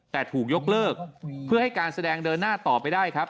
แต่ถูกยกเลิกเพื่อให้การแสดงเดินหน้าต่อไปได้ครับ